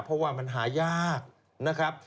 เพราะว่ามันหายากนะครับ